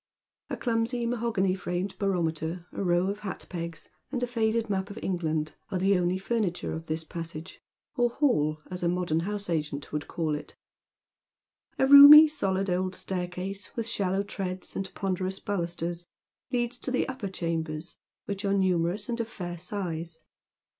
A clumsy mahogany framed barometer, a row of hat pegs, and a faded map of England ai'e the only furniture of this passage, or hall, as a modem house agent would call it. A roomy, eohd old staircase, with shallow ti eads, and ponderous balusters, leads to the upper chambers, which are numerous and of fair size.